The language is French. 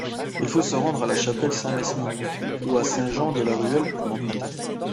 Il faut se rendre à La Chapelle-Saint-Mesmin ou à Saint-Jean-de-la-Ruelle pour l'emprunter.